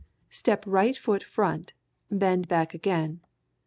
Step right foot front, bend back again.